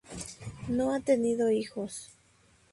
No ha tenido hijos.